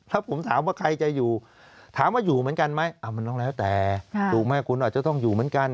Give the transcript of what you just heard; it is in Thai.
ถ้าผมถามว่าใครจะอยู่ถามว่าอยู่เหมือนกันไหมมันต้องแล้วแต่ถูกไหมคุณอาจจะต้องอยู่เหมือนกัน